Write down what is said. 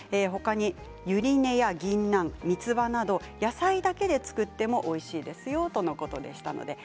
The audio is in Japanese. ほかに、ゆり根や、ぎんなんみつばなど、野菜だけで作ってもおいしいですよということでした。